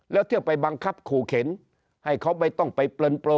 แล้วเที่ยวไปบังคับขู่เข็นให้เขาไม่ต้องไปเปลินโปร